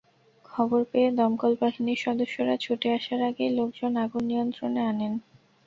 খবর পেয়ে দমকল বাহিনীর সদস্যরা ছুটে আসার আগেই লোকজন আগুন নিয়ন্ত্রণে আনেন।